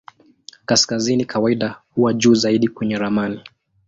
Kaskazini kawaida huwa juu zaidi kwenye ramani.